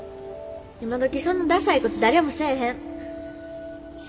今どきそんなダサいこと誰もせぇへん。